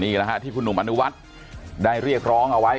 นี่แหละฮะที่คุณหนุ่มอนุวัฒน์ได้เรียกร้องเอาไว้